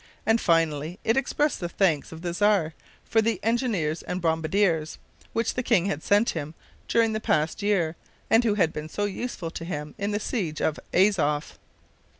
And finally it expressed the thanks of the Czar, for the "engineers and bombardiers" which the king had sent him during the past year, and who had been so useful to him in the siege of Azof.